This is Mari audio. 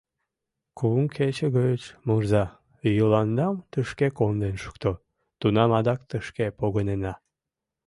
— Кум кече гыч, мурза, Йыландам тышке конден шукто, тунам адак тышке погынена.